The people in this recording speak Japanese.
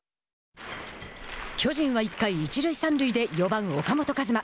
巨人は１回、一塁三塁で４番岡本和真。